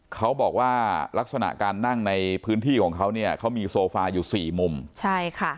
เขาบอกว่าลักษณะการนั่งในพื้นที่ของเขาเนี่ยเขามีโซฟาอยู่สี่มุมใช่ค่ะ